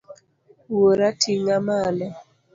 Wuora ting'a malo.